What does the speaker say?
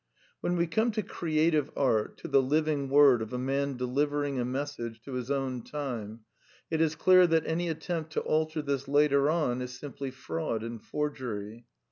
When we come to creative art, to the living word of a man delivering a message to his own time, it is clear that any attempt to alter this later on is simply fraud and forgery.